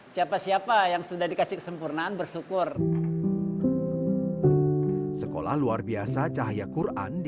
siapa siapa yang sudah dikasih kesempurnaan bersyukur sekolah luar biasa cahaya quran di